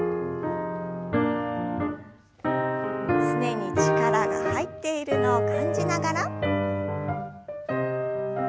すねに力が入っているのを感じながら。